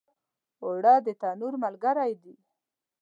اوړه د تنور ملګری دي